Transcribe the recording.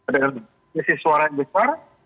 dengan isi suara yang besar